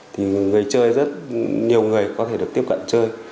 thì người chơi rất nhiều người có thể được tiếp cận chơi